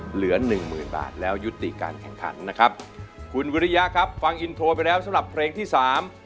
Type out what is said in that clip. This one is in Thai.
เหลือหนึ่งหมื่นบาทแล้วยุติการแข่งขันนะครับคุณวิริยะครับฟังอินโทรไปแล้วสำหรับเพลงที่สาม